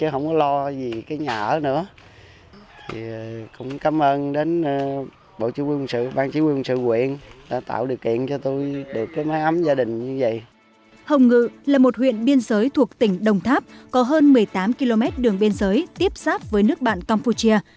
hồng ngự là một huyện biên giới thuộc tỉnh đồng tháp có hơn một mươi tám km đường biên giới tiếp xác với nước bạn campuchia